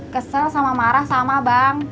kesel sama marah sama bang